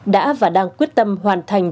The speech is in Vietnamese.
đã và đang quyết tâm hoàn thành